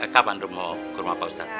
kapan mau ke rumah pak ustadz